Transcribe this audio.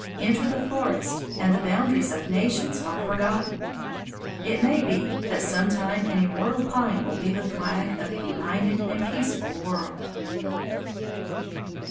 Enter the forest and the boundaries of nations are forgotten. It may be that some time an immortal pine will be the flag of a united and peaceful world.